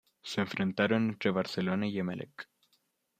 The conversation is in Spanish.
Se enfrentaron entre Barcelona y Emelec.